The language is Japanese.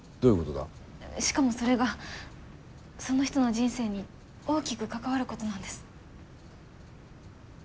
しかもそれがその人の人生に大きく関わることなんです。